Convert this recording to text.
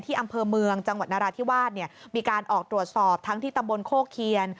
อำเภอเมืองจังหวัดนราธิวาสมีการออกตรวจสอบทั้งที่ตำบลโคเคียน